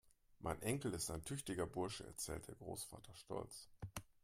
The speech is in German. "Mein Enkel ist ein tüchtiger Bursche", erzählte der Großvater stolz.